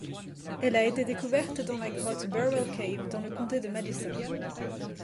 Elle a été découverte dans la grotte Burwell Cave dans le comté de Madison.